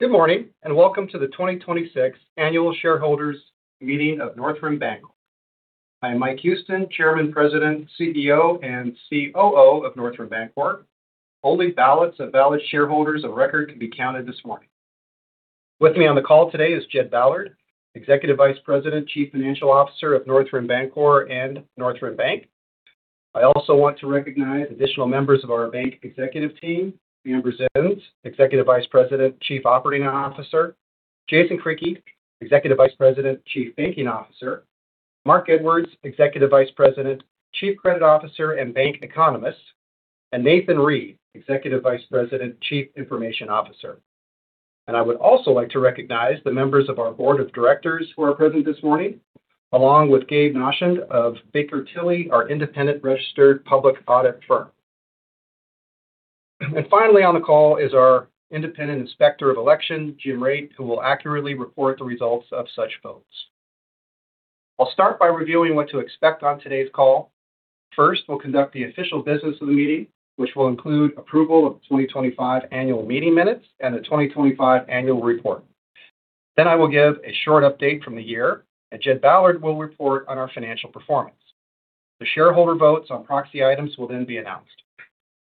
Good morning, and welcome to the 2026 Annual Shareholders Meeting of Northrim BanCorp. I am Mike Huston, Chairman, President, CEO, and COO of Northrim BanCorp. Only ballots of valid shareholders of record can be counted this morning. With me on the call today is Jed Ballard, Executive Vice President, Chief Financial Officer of Northrim BanCorp and Northrim Bank. I also want to recognize additional members of our bank executive team. Amber Zins, Executive Vice President, Chief Operating Officer. Jason Criqui, Executive Vice President, Chief Banking Officer. Mark Edwards, Executive Vice President, Chief Credit Officer, and Bank Economist, and Nathan Reed, Executive Vice President, Chief Information Officer. I would also like to recognize the members of our board of directors who are present this morning, along with Gabe Nachand of Baker Tilly, our independent registered public audit firm. Finally on the call is our independent inspector of election, Jim Rate, who will accurately report the results of such votes. I'll start by reviewing what to expect on today's call. First, we'll conduct the official business of the meeting, which will include approval of the 2025 annual meeting minutes and the 2025 annual report. I will give a short update from the year, and Jed Ballard will report on our financial performance. The shareholder votes on proxy items will then be announced.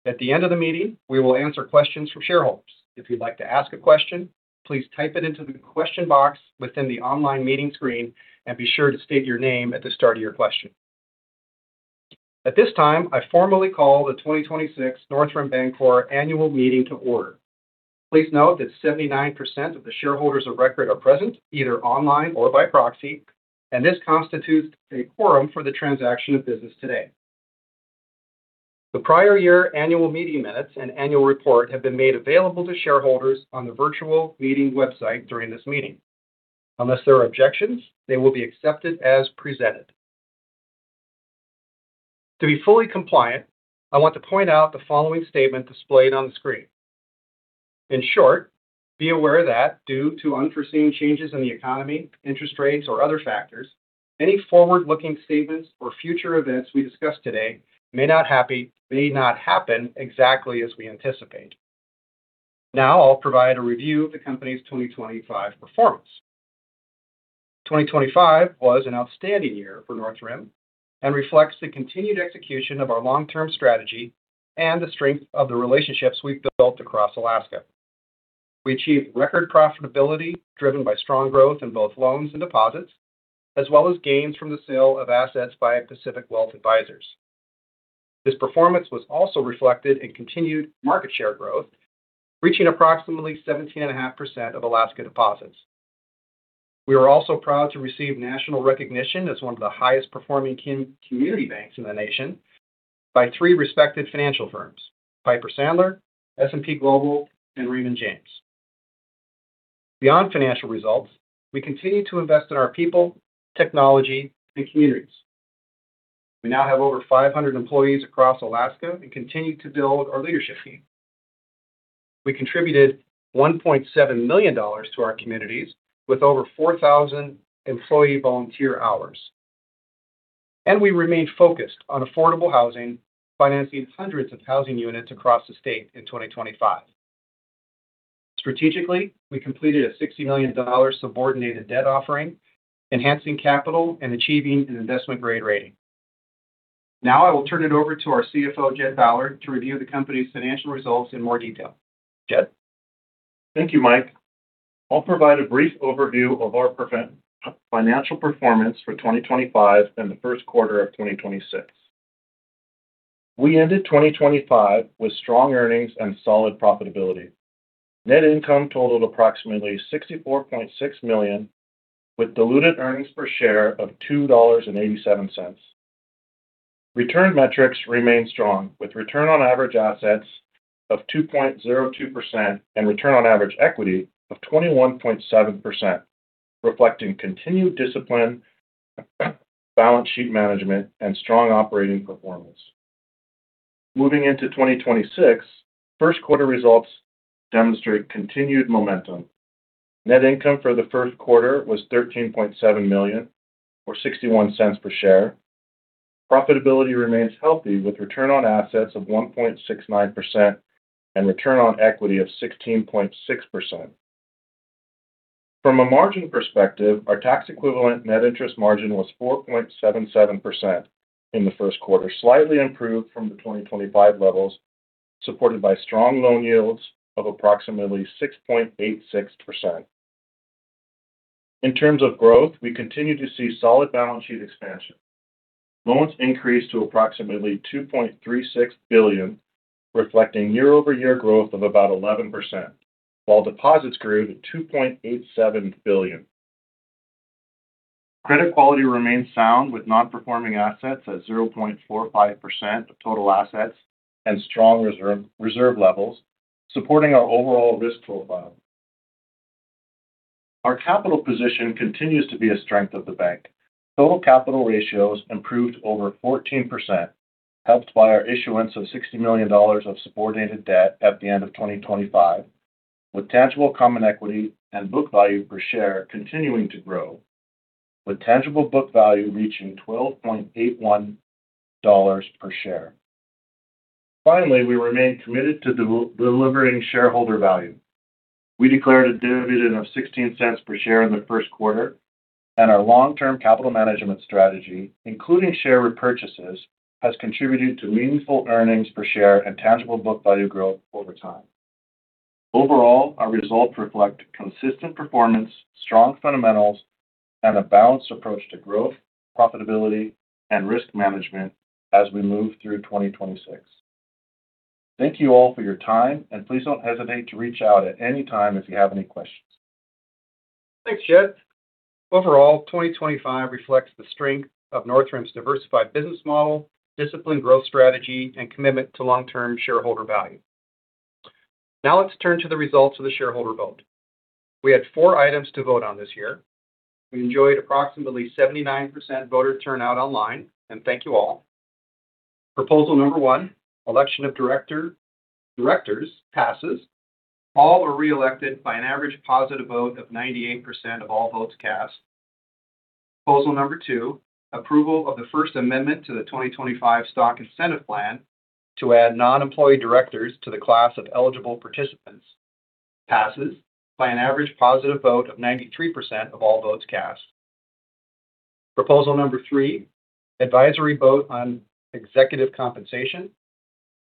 At the end of the meeting, we will answer questions from shareholders. If you'd like to ask a question, please type it into the question box within the online meeting screen and be sure to state your name at the start of your question. At this time, I formally call the 2026 Northrim BanCorp annual meeting to order. Please note that 79% of the shareholders of record are present, either online or by proxy, and this constitutes a quorum for the transaction of business today. The prior year annual meeting minutes and annual report have been made available to shareholders on the virtual meeting website during this meeting. Unless there are objections, they will be accepted as presented. To be fully compliant, I want to point out the following statement displayed on the screen. In short, be aware that due to unforeseen changes in the economy, interest rates, or other factors, any forward-looking statements or future events we discuss today may not happen exactly as we anticipate. Now, I'll provide a review of the company's 2025 performance. 2025 was an outstanding year for Northrim and reflects the continued execution of our long-term strategy and the strength of the relationships we've built across Alaska. We achieved record profitability driven by strong growth in both loans and deposits, as well as gains from the sale of assets by Pacific Wealth Advisors. This performance was also reflected in continued market share growth, reaching approximately 17.5% of Alaska deposits. We were also proud to receive national recognition as one of the highest performing community banks in the nation by three respected financial firms, Piper Sandler, S&P Global, and Raymond James. Beyond financial results, we continue to invest in our people, technology, and communities. We now have over 500 employees across Alaska and continue to build our leadership team. We contributed $1.7 million to our communities with over 4,000 employee volunteer hours. We remained focused on affordable housing, financing hundreds of housing units across the state in 2025. Strategically, we completed a $60 million subordinated debt offering, enhancing capital and achieving an investment-grade rating. Now I will turn it over to our CFO, Jed Ballard, to review the company's financial results in more detail. Jed? Thank you, Mike. I'll provide a brief overview of our financial performance for 2025 and the first quarter of 2026. We ended 2025 with strong earnings and solid profitability. Net income totaled approximately $64.6 million with diluted earnings per share of $2.87. Return metrics remained strong with return on average assets of 2.02% and return on average equity of 21.7%, reflecting continued discipline, balance sheet management, and strong operating performance. Moving into 2026, first quarter results demonstrate continued momentum. Net income for the first quarter was $13.7 million, or $0.61 per share. Profitability remains healthy with return on assets of 1.69% and return on equity of 16.6%. From a margin perspective, our tax equivalent net interest margin was 4.77% in the Q1, slightly improved from the 2025 levels, supported by strong loan yields of approximately 6.86%. In terms of growth, we continue to see solid balance sheet expansion. Loans increased to approximately $2.36 billion, reflecting year-over-year growth of about 11%, while deposits grew to $2.87 billion. Credit quality remains sound with non-performing assets at 0.45% of total assets and strong reserve levels, supporting our overall risk profile. Our capital position continues to be a strength of the bank. Total capital ratios improved over 14%, helped by our issuance of $60 million of subordinated debt at the end of 2025, with tangible common equity and book value per share continuing to grow, with tangible book value reaching $12.81 per share. Finally, we remain committed to delivering shareholder value. We declared a dividend of $0.16 per share in the Q1, and our long-term capital management strategy, including share repurchases, has contributed to meaningful earnings per share and tangible book value growth over time. Overall, our results reflect consistent performance, strong fundamentals, and a balanced approach to growth, profitability, and risk management as we move through 2026. Thank you all for your time, and please don't hesitate to reach out at any time if you have any questions. Thanks, Jed. Overall, 2025 reflects the strength of Northrim's diversified business model, disciplined growth strategy, and commitment to long-term shareholder value. Let's turn to the results of the shareholder vote. We had four items to vote on this year. We enjoyed approximately 79% voter turnout online, and thank you all. Proposal number one, election of directors, passes. All were reelected by an average positive vote of 98% of all votes cast. Proposal number two, approval of the first amendment to the 2025 Stock Incentive Plan to add non-employee directors to the class of eligible participants, passes by an average positive vote of 93% of all votes cast. Proposal number three, advisory vote on executive compensation,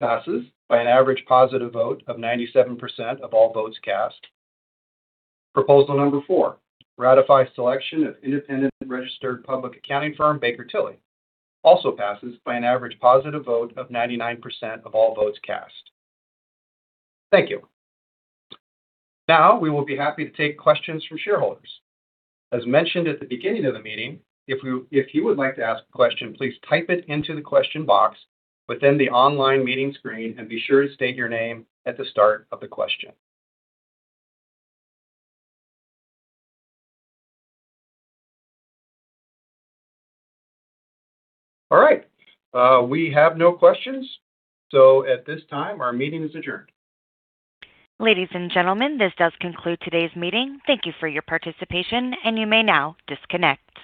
passes by an average positive vote of 97% of all votes cast. Proposal number four, ratify selection of independent registered public accounting firm, Baker Tilly, also passes by an average positive vote of 99% of all votes cast. Thank you. Now, we will be happy to take questions from shareholders. As mentioned at the beginning of the meeting, if you would like to ask a question, please type it into the question box within the online meeting screen, and be sure to state your name at the start of the question. All right. We have no questions. At this time, our meeting is adjourned. Ladies and gentlemen, this does conclude today's meeting. Thank you for your participation, and you may now disconnect.